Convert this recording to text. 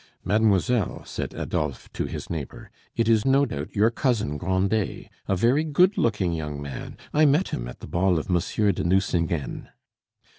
"Mademoiselle," said Adolphe to his neighbor, "it is no doubt your cousin Grandet, a very good looking young man; I met him at the ball of Monsieur de Nucingen."